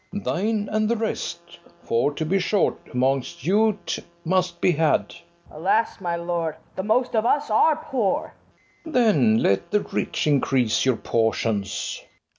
FERNEZE. Thine and the rest; For, to be short, amongst you't must be had. FIRST JEW. Alas, my lord, the most of us are poor! FERNEZE. Then let the rich increase your portions.